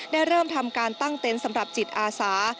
เริ่มทำการตั้งเต็นต์สำหรับจิตอาสา